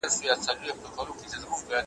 شا او مخ ته یې پر هر وګړي بار کړل ,